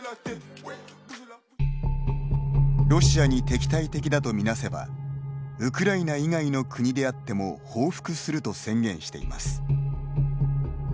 ロシアに敵対的だとみなせばウクライナ以外の国であっても報復すると宣言しています。